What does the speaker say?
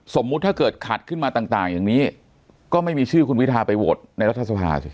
ถ้าเกิดขัดขึ้นมาต่างอย่างนี้ก็ไม่มีชื่อคุณวิทาไปโหวตในรัฐสภาสิ